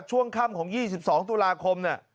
ช่วงค่ำของ๒๒ตุลาคมเนี่ย